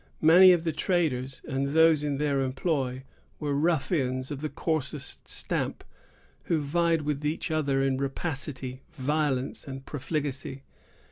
Many of the traders, and those in their employ, were ruffians of the coarsest stamp, who vied with each other in rapacity, violence, and profligacy.